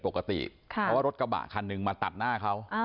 เพราะว่ารถกระบะคันหนึ่งมาตัดหน้าเขา